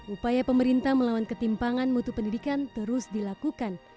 upaya pemerintah melawan ketimpangan mutu pendidikan terus dilakukan